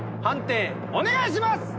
判定お願いします。